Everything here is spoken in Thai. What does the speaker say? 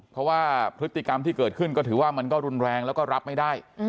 เพราะว่าพฤติกรรมที่เกิดขึ้นก็ถือว่ามันก็รุนแรงแล้วก็รับไม่ได้